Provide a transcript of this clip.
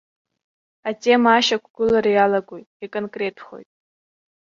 Атема ашьақәгылара иалагоит, иконкреттәхоит.